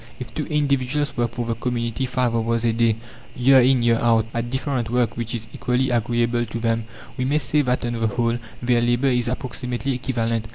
If two individuals work for the community five hours a day, year in year out, at different work which is equally agreeable to them, we may say that on the whole their labour is approximately equivalent.